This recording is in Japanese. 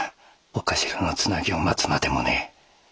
お頭のつなぎを待つまでもねえ。